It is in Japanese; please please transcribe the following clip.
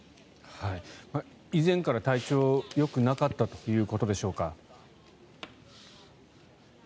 以前から体調はよくなかったということでしょうか。